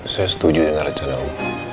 saya setuju dengan rencana ini